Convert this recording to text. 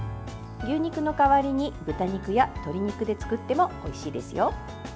牛肉の代わりに豚肉や鶏肉で作ってもおいしいですよ。